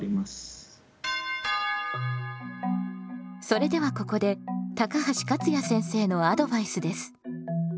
それではここで高橋勝也先生のアドバイスです。